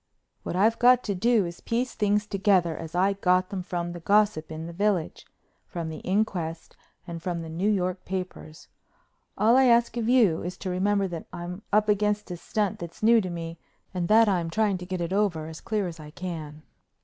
What I've got to do is to piece things together as I got them from the gossip in the village, from the inquest, and from the New York papers. All I ask of you is to remember that I'm up against a stunt that's new to me and that I'm trying to get it over as clear as I can.